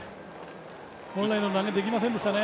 本来の投げができませんでしたね。